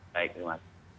baik terima kasih